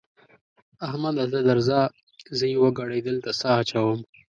احمده ته درځه؛ زه يوه ګړۍ دلته سا اچوم.